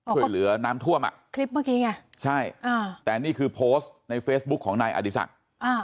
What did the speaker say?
ช่วยเหลือน้ำท่วมอ่ะคลิปเมื่อกี้ไงใช่แต่นี่คือโพสต์ในเฟซบุ๊คของนายอดีศักดิ์